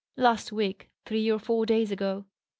"Last week. Three or four days ago."